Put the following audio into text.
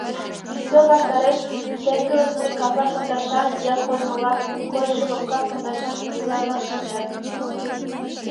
Ӱстел ваштареш теҥгылыште каза пондашан я кольмыла койшо лопка пондашан кугыза-влак шинчат.